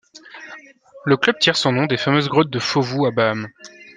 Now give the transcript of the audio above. Le club tire son nom des fameuses grottes de Fovu à Baham.